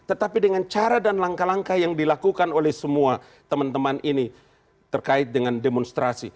tetapi dengan cara dan langkah langkah yang dilakukan oleh semua teman teman ini terkait dengan demonstrasi